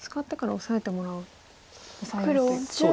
オサえようという。